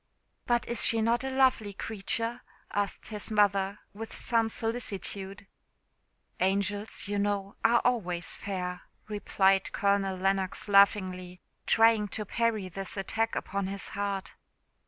"But is she not a lovely creature?" asked his mother, with some solicitude. "Angels, you know, are always fair," replied Colonel Lennox laughingly, trying to parry this attack upon his heart.